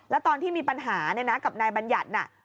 แล้วตอนที่มีปัญหาเนี่ยนะกับนายบัญญัติน่ะ